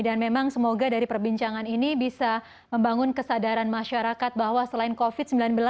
dan memang semoga dari perbincangan ini bisa membangun kesadaran masyarakat bahwa selain covid sembilan belas